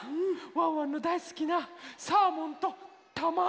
ワンワンのだいすきなサーモンとたまご。